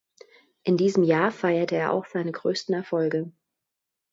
In diesem Jahr feierte er auch seine größten Erfolge.